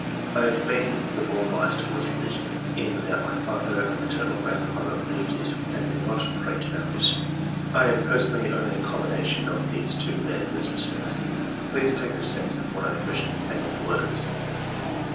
I have been the more biased towards religion, in that my father and ma.temal grandfather lived it and did not prate about it. I am personally only a combination of these two men in this respect (..• Please take the sense of what I have written, and not the words).''